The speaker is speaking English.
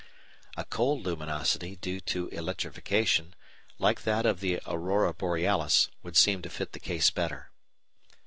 A cold luminosity due to electrification, like that of the aurora borealis, would seem to fit the case better.